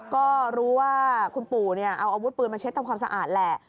ก็รู้ว่าคุณปู่เอาอาวุธปืนมาเช็ดทำความสะอาดแหละ